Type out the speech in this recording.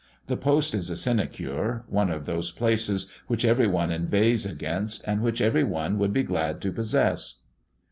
The post is a sinecure, one of those places which every one inveighs against, and which every one would be glad to possess.